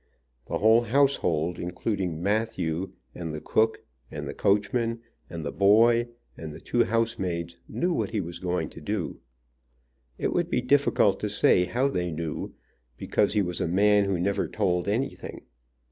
The whole household, including Matthew, and the cook, and the coachman, and the boy, and the two house maids, knew what he was going to do. It would be difficult to say how they knew, because he was a man who never told anything.